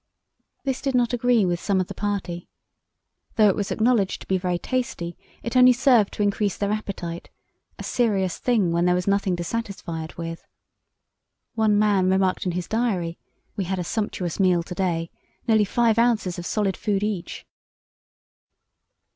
This did not agree with some of the party. Though it was acknowledged to be very tasty it only served to increase their appetite—a serious thing when there was nothing to satisfy it with! One man remarked in his diary: "We had a sumptuous meal to day—nearly five ounces of solid food each."